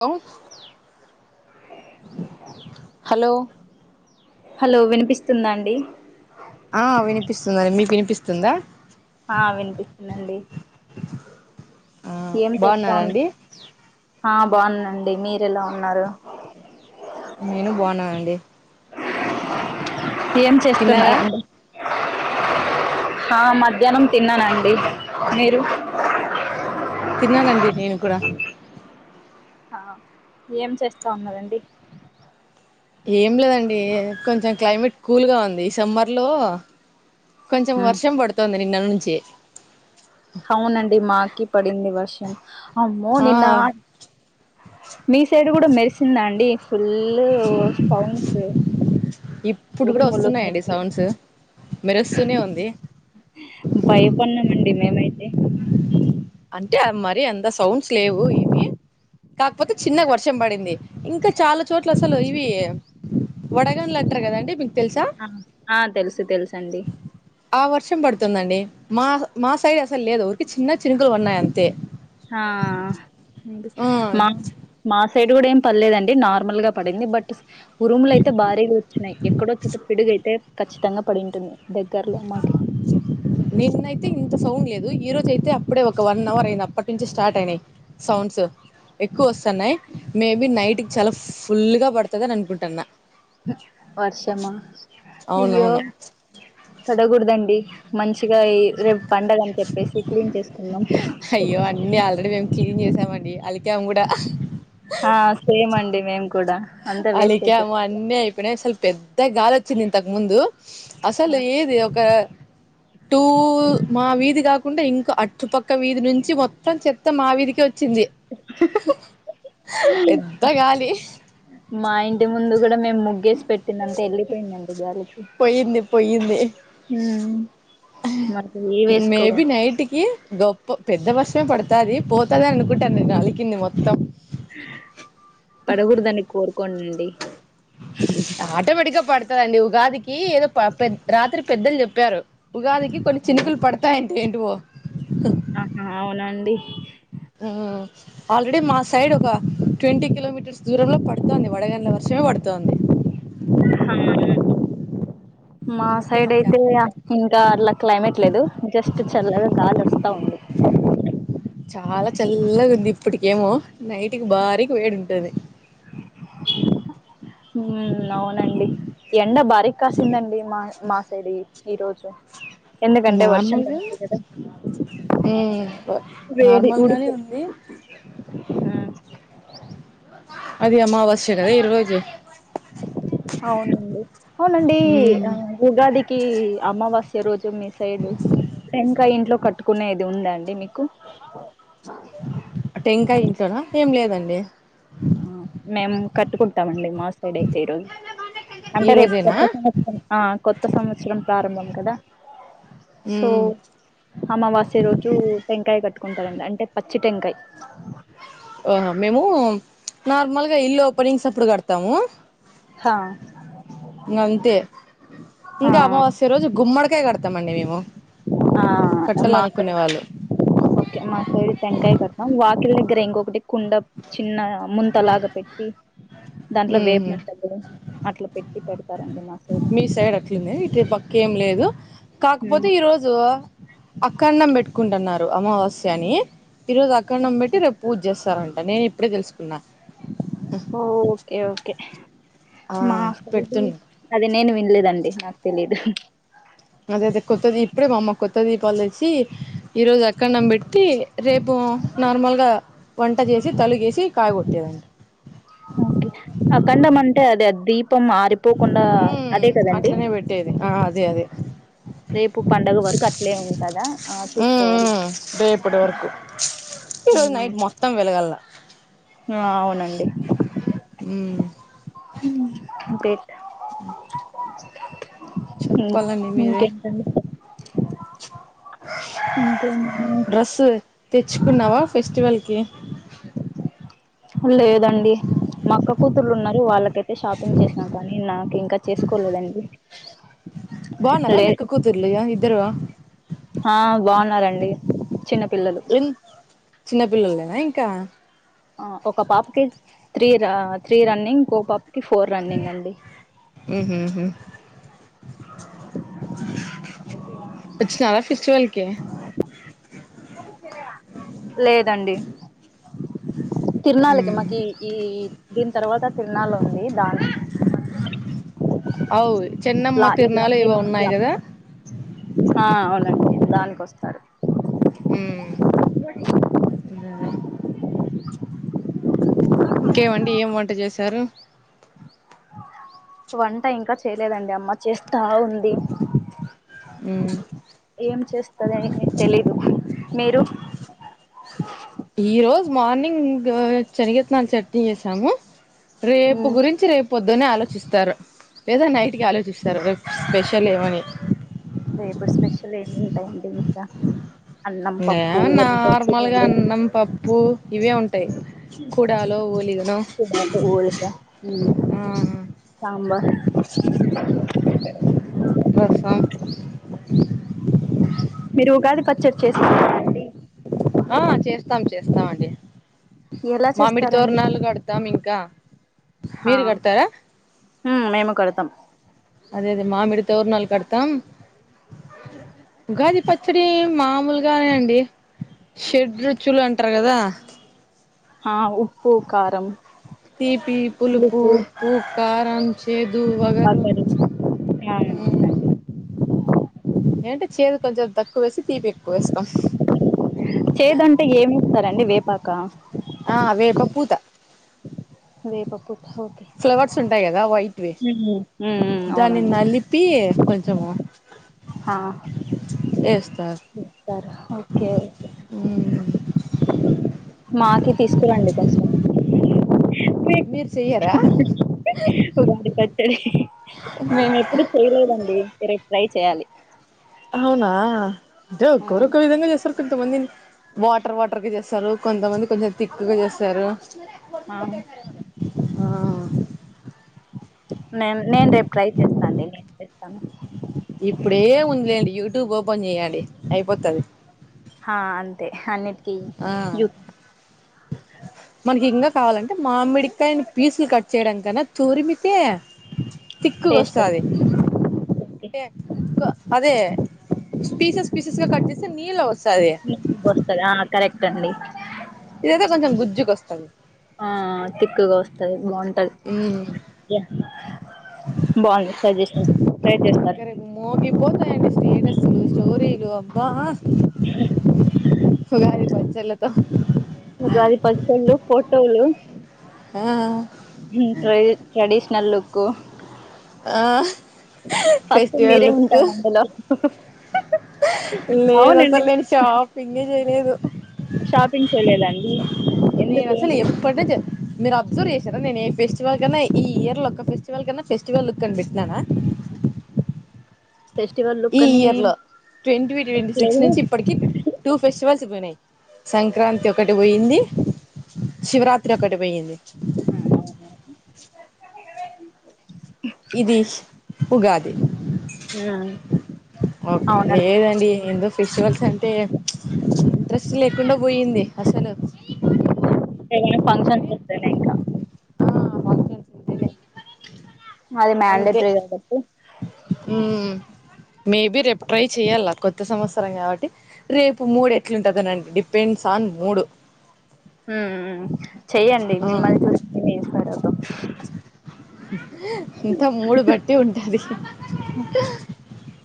లో hello hello వినిపిస్తుందా అండి ఆ వినిపిస్తుందండి మీకు వినిపిస్తుందా ఆ వినిపిస్తుందండి ఆ ఏమి చేస్తా ఉన్నాయి బాగున్నారండి ఆ బాగుందండి మీర ఎలా ఉన్నారు నేను బాగున్నానండి ఏం తిన్నారా చేస్తున్నారండి ఆ మధ్యాహ్నం తిన్నానండి మీరు తిన్నానండి నేను కూడా ఆ ఏం చేస్తా ఉన్నారండి ఏం లేదండి కొంచెం క్లైమేట్ కూల్గా ఉంది సమ్మర్ లో కొంచెం ఉమ్ వర్షం పడుతుంది నిన్న నుంచి అవునండి మాకి పడింది వర్షం అమ్మో ఆ నిన్న మీ సైడ్ కూడా మెరిసిందా అండి ఫుల్ సౌండ్స్ ఇప్పుడు కూడా ఉరుములు, వస్తున్నాయండి మెరుపులు సౌండ్స్ మెరుస్తూనే ఉంది బయప న్నా మండి మేమైతే అతే అంటే మరి అంత సౌండ్స్ లేవు ఇవి కాకపోతే చిన్నగా వర్షం పడింది ఇంకా చాలా చోట్ల అసలు ఇవి వడగన్లు అంటారు కదండి తెలుసా ఆ ఆ తెలుసు తెలుస అండి ఆ వర్షం పడుతుందండి మా మా సైడ్ అసలు లేదు ఊరికే చిన్న చినుకులు ఉన్నాయి అంతే ఆ ఆ మా మా సైడ్ కూడా ఏం పర్లేదండి నార్మల్గా పడింది బట్ ఉరుములు అయితే భారీగా వచ్చినాయి ఎక్కడో చోట పిడుగయితే ఖచ్చితంగా పడి ఉంటుంది నిన్నైతే ఇంత సౌండ్ లేదు ఈరోజు యితే అప్పుడే ఒక వన్ అవర్ అయింది అప్పటి నుంచి స్టార్ట్ అయినాయి సౌండ్స్ ఎక్కువ వస్తున్నాయి మేబీ నైట్కి చాలా ఫుల్గా పడుతుందిని అనుకుంటున్నా వర్షమా అయ్యో అవునవును పడగుడదండి మంచి మంచిగా రేపు పండగ అని చెప్పేసి క్లీన్ చేసుకుందాం క్లిన్ చేసామండి అలికాము కూడా ఆ సేమ్ అండి మేం కూడా అంతా వేస్ట్ అలికా అయిపోతుంది అన్ని ఐపోయినాయ్ పెద్ద గాలి వచ్చింది ఇంతకు ముందు అసలు ఏది ఒక టూ మా వీధి కాకుండా ఇంకా అట్టుపక్క వీధి నుంచి మొత్తం చెత్త మా వీధికి వ వచ్చింది పెద్ద గాలి మా ఇంటి ముందు కూడా మేము ముగ్గేసి పెట్టిన అంత వెళ్ళిపోయిందండి గాలికి పోయింది పోయింది ఉమ్ మరి ఏ వేసుకో మేబి నైట్కిి దో గొప్ప పెద్ద వర్షమే పడుతది పోతందిని అనుకుంటా నేన్న అలికింది మొత్తం పడకుడదనీ కోరు కొండండి ఆటోమేటిక్ గా పడుతదండి ఉగాదికి ఏదో ప పెద్ రాత్రి పెద్దలు చెప్పారు ఉగాదికి కొన్ని చినుకులు పడతాయ్ ఏంటివో ఆహా అవునండి ఆ ఆల్రెడీ మా సైడ్ ఒక ట్వంటీ కిలోమీటర్స్ దూరంలో పడుతంది వడగండ్ల వర్షమే పడుతుంది హా మా అందుకే సైడ్ మాకు అయితే చాలా పెద్ద ఇంకా అట్ల క్లైమేట్ లేదు జస్ట్ చల్లగా గాలోస్తా ఉంది చాలా చల్లగా ఉంది ఇప్పటికేమో నైట్కి భారీగ వేడి ఉంటది హు అవునండి ఎండ భారిక్కాసిందండి మ మా సైడ్ యి ఈరోోజు నార్మల్గా హు వేడి నార్మల్ గానే ఉడుకు ఉంది అది అమావస్య కదా ఈ రోజు అవునండి అవునండి ఉమ్ ఆ ఉగాదికి అమావాస్ రోజు మీ సైడు టెంకాయ ఇంట్లో కట్టుకునేది ఉందా అండి మీకు టెంకాయ ఇంట్లోనా ఏం లేదండి ఉం మేమ్ కాట్ కుంటామండి మ్ మా సైడ్ అయితే రోజ ఈ అంటే రేపు రోజేనా కొత్త సంవత్సరం ఆ కొత్త సంవత్సరం ప్రారంభం కదా సో ఉమ్ అమావాస్య రోజు టెంటకాయ కట్టుకుంటారండి అంటే ప చ్చి టెంకాయ్ ఓహా మేము నార్మల్గా ఇల్లు ఓపెనింగ్స్ అప్పుడు కడతాము హా అంతే ఆ ఇంకా అమవాస్య రోజు గుమ్మడికయ కడతా ఆ మా సై కట్టాలనుకునే వాళ్ళు ఒకే మా సైడు టెంకాయ కడతాం వాకిల్లక్ ట్రే ఇంకొకటి కుండ చిన్న ముంత లాగా పెట్టి దాంట్లో వేప ఉమ్ సద్దులు అట్లా పెట్టి పెడతారండి మా మీ సైడ్ అట్లుంద ఇటు పక్క ఏం లేదు కాకపోతే ఉమ్. ఈ రోజు అక్క అన్నం పెట్టుకుంటున్నారు అమావాస్యని ఈరోజు అఖండం పెట్టి రేపు పూజ చేస్తారంట నేను ఇప్పుడె తెలుస్ ఓకే ఓకే ఆ మా సైడ్ పెడుతున్నా అది నేను వినలేదండి తెలీదు అదె అదె కొత్త దీప్ ఇపుడే మా అమ్మ కొత్త దీపాలు తెచ్చి ఈరోజు అఖండం పెట్టి రేపు నార్మల్గా వంట చేసి తలుగేసి కాయ కొట్టేదండి ఓకే అఖండ మంటే అదే అ దీప్ దీపం అరిపోకుండా మ్మ్ అదే కదండి అట్లనే పెట్టేది ఆ అదే అదే రేపు పండుగ వరకు అట్లే ఉంటాదా ఆ మ్మ్ చూసుకోవాలి మ్మ్ రేపటి వరకు ఈరోజు నైట్ మొత్తం వెలగల్ల ఆ అవునండి మ్మ్ బిట్ ఉమ్ చెప్పాలండి మీరే ఇంకేంటండి ఇంకేం డ్రెస్ తెచ్చుకున్నావా ఫెస్టివల్ ఓకే అల లేద్ అండి మా అక్క కూతుర్లు ఉన్నారు వాళ్ళకైతే షాపింగ్ చేసినామ్ కానీ నాకు ఇంకా చేసుకోలేదండి బాగున్నారా మీ లేద్ అక్క కూతుర్లు ఇద్దరు ఆ బాగున్నారండి చిన్నపిల్లలు పిల్లలేనా ఇంకా ఆ ఒక పాపకి త్రీ రా త్రీ రన్నింగ్ ఇంకో పాప్ ఫోర్ రన్నింగ్ అండి ఉహు హు ఓకే లేదండి తిరునాళిక మాకి ఈ దీని తర్వాత తిన్నాల ఉంది దాని అవు చెన్నమ్మ లా ఇలా తిరునాలు ఈ ఎవో మంత్ ఉన్నాయి కదా లాస్ట్ ఆ అవునండి దానికొస్తారు ఉమ్ ఇంగదే ఇంకేమండి ఏం వంట చేశారు వంట ఇంకా చేయలేదండి అమ్మ చేస్తా ఉంది ఉమ్ ఏం చేస్త తెలీదు మీరు ఈ రోజు మార్నింగ్ శనగ ఎత్తనా చట్నీ చేసాము రేపు గురించి రేపు పొద్దునే ఆలోచిస్తారు లేదా నైట్కి ఆలోచిస్తారు స్పెషల్ ఏమని అహా నే నార్మల్గా అన్నం పప్పు ఇవే ఉంటు కూడాలో ఊలిగన ఊలుగా సాంబార్ రసం మీరు ఉగాది పచ్చడి చేసుకుంటండి ఆ చేస్తాం చేస్తామండి ఎలా మామిడి చేస్తారండి తోరనాళ్ళు కడతాం ఇంకా హా మీరు కడతారా మేము కడతాం అదే అదే మామిడితోవనాలు కడతాం ఉగాది పచ్చడి మామూలుగా కానీ అండి షెడ్ రుచులు అంటారు కదా ఆ ఉప్పు కఖారం తీపి పులుపు ఉప్పు కారం చె చేదు వగర వగరు ఆ ఉమ్ అవునండి అంటే చేదు కొంచెం తక్కువేసి తీపి ఎక్కువ వేస్తం పకా ఆ వేపపూత వేపపువ్ ఫ్లవర్స్ ఉంటాయి కదా వై ట్ వి ఉమ్ ఉమ్ దాన్ని నలిపి కొంచము హా వేస్తారు ఇస్తారు ఓకే మాకి తీసుకురండి కొంచెం, మీరు చెయ్యరా ఉగాడి పచ్చడి మేము ఎప్పుడు చేయలేదండి, కరె ట్రై చేయాలి హవునా అంటే హ్మ్. ఒక్కొరుఒక్కొవిధంగా చేస్సరు కొంతమంది వాటర్ వాటర్గా చేస్సరు కొంతమంది కొంచెం థిక్‌ గా చేస్సారు ఆ ఆ స్ స్ నే నేను రేపు ట్రై చేస్తాండి నేనుస్తాను ఇప్పుడే ఎమ్ ఉందిలేండి యూట్యూబ్ ఓపెన్ చెయండిఅయిపోతది హా అంతే అన్ని టి కి యు మనకి ఇంకా కావాలంటే మామిడికాయని పీసులు కట్ చేయడాకన్నా తురిమితే టేస్ట్ తిక్కుగువస్తా ది వస్తుంది ఓకే అంటే కొఅదే పీసెస్ పీసెస్ గా కట్ చేస్తే నీళ్ళవస్ వస్తదిఆకరెక్ట్ దండి ఇదైతే కొంచెం గుజ్జుకొస్తది త్తె ది బావుంటది యా బావుంది సజెషన్ ట్రై చేస్తార ఇంకా రేపు హలో అబ్బా హుమ్ ఉగాది పచ్చలతో ఉగాది పచ్చళ్ళు ఆ మ్ ట్రే ట్రెడిషనల్ లుక్ కు ఆ మీరే ఫెస్టివెల్లకు ఉంటారు అందులో లేదు అవునండి అసలు నేను షాపింగే చేయలేదు షాపింగ్ చేయలేదండి ఎందుకు మీరు అబ్జర్వ్ చేసారా, నేను ఏ ఫెస్టివల్ కన్నా ఈ ఇయర్ లో ఒక ఫెస్టివల్ కన్నా ఫెస్టివల్ లుక్ కనిపెట్టినానా ఫెస్టివల్ ఈ లుక్ అని ఇయర్ లో ట్వంటీ ట్వంటీ సిక్స్ పెట్టలేదు నుంచి ఇప్పటికి టూ ఫెస్టివల్స్ పోయినాయి సంక్రాంతి ఒకటి పోయింది శివరాత్రి ఒకటి పోయింది ఆ మ్ ఉమ్ అవునండి లేదండి ఎందో ఫెస్టివల్స్ అంటే ఇంట్రెస్ట్ లేకుండా పోయింది అసలు ఏమైనా ఫంక్షన్స్ వస్తేనే ఇంకా ఆ ఫంక్షన్స్ ఉంటేనే అది అంతే మండేటరీ కాబట్టి మేబి రేపు ట్రై చెయాల, కొత్త సంవత్సరం కాబట్టి రేపు మూడు ఎట్లుంటుందనండి డిపెండ్స్ ఆన్ మూడు మ్ చెయ్యండి ఆ మిమ్మల్ని చూసి మేము ఇన్స్పైర్ అవుతాం అంతా మూడు బట్టి ఉంటది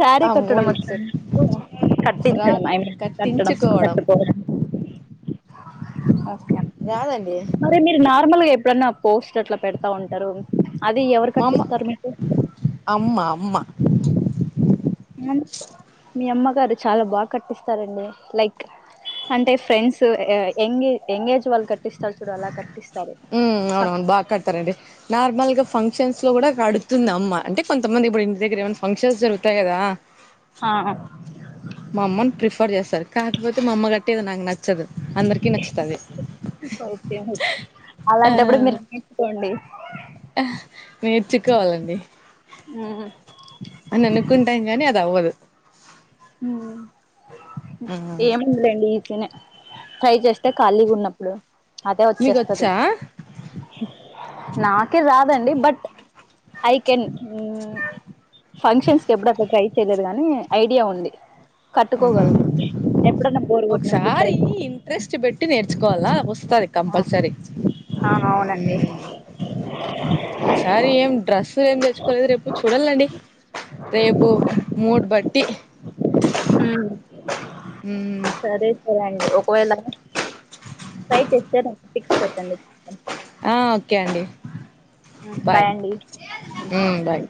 శారీ ఆ కట్టడం వచ్చ మూడిట్లు అ కట్టించడం రాదు ఐ కట్టడం కట్టించుకోవడం కట్టుకోవడం ఓకే రాదండి మరి మీ నార్మల్గా ఎప్ ఎప్పుడన్నా పోస్ట్ అట్లా పెడతా ఉంటారు అది ఎవరు కట్టిస్తారు మీకు మ్మ మీ అమ్మగారు చాలా బాగా కట్టిస్తారండి లైక్ అంటే ఫ్రెండ్స్ ఎంగే ఎంగేజ్ వాళ్ళు కట్టిస్తారు చూడు అలా కట్ మ్మ్ అవునువును బా కడ్తారండి నార్మల్గా ఫంక్షన్స్ లో కూడా కడుతుంది అమ్మ అంటే కొంతమంది ఇప్పుడు ఇంటి దగ్గర ఏమైనా ఫంక్షన్స్ జరుగుతాయి కదా ఆహా మా అమ్మని ప్రిఫర్ చేస్తారు కాకపోతే మా అమ్మ కట్టేది నాకు నచ్చదు అందరికీ నచ్చుతది ఓకే ఆ అలాంటప్పుడు మీరు నేర్చుకోండి నేర్చుకోవాలండి మ్మ్ అని అనుకుంటాం కానీ అ ద అవ్వదు మ్మ్ ఆ ఏముందిలేండి ఇట్లనే ట్రై చేస్తే ఖాళీగా ఉన్నప్పుడు అదే వచ్చేస్తది మీకొచ్చా నాకే రాదండి but I can hmm functions ఎప్పుడైనా ట్రై చేలెదు గాని ఐడియా ఉంది ఆహా కట్టుకోగలను ఎప్పుడన్నా బోర్ కొట్టినప్పుడు ట్రై ఒకసారి చే ఇంట్రెస్ట్ పెట్టి నేర్చుకోవాలా వస్తది కంపల్సరీ ఆ అవునండి మ్మ్ ఒకసారి ఏం డ్రెస్సు ఏం తెచ్చుకోలేదు రేపు చూడాలండి రేపు మూడ్ బట్టి హ్మ్మ్ హ్మ్మ్ సరే అండి ఒకవేళ ట్రై చేస్తే నాక్ పిక్స్ పెట్టండి చూస్తాను ఆ ఓకే అండి బాయ్ అండి ఉమ్ బాయ్